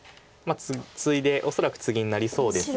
ツイで恐らくツギになりそうですが。